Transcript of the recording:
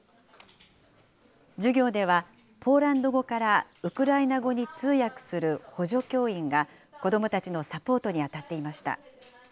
授業では、ポーランド語からウクライナ語に通訳する補助教員が、子どもたちのサポートに当たっていました。